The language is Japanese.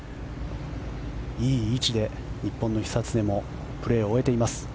いい位置で日本の久常もプレーを終えています。